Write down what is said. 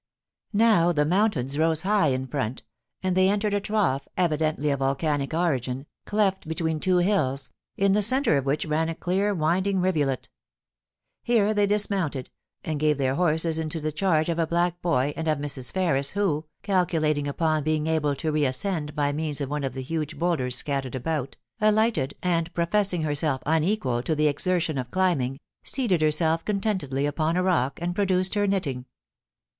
Now the mountains rose high in front, and they entered a trough, evidently of volcanic origin, cleft between two hills, in the centre of which ran a clear winding rivulet Here they dismounted, and gave their horses into the charge of a black boy and of Mrs. Ferris, who, calculating upon being able to reascend by means of one of the huge boulders scattered about, alighted, and, professing herself unequal to * YOU'LL GET THE CROOKED STICK A T LAST: 1 79 the exertion of climbing, seated herself contentedly upon a rock and produced her knitting.